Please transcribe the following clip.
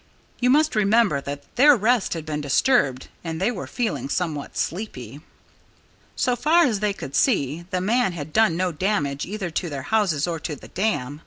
You must remember that their rest had been disturbed and they were feeling somewhat sleepy. So far as they could see, the man had done no damage either to their houses or to the dam.